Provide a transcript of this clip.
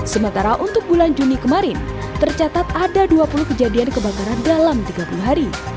sementara untuk bulan juni kemarin tercatat ada dua puluh kejadian kebakaran dalam tiga puluh hari